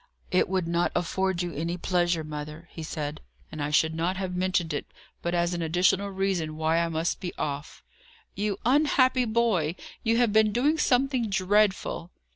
"It would not afford you any pleasure, mother," he said, "and I should not have mentioned it but as an additional reason why I must be off." "You unhappy boy! You have been doing something dreadful!"